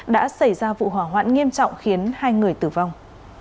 đã xảy ra vụ hỏa hoạn nghiêm trọng khiến hai người tử vong